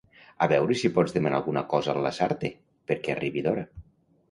A veure si pots demanar alguna cosa al Lasarte per que arribi d'hora.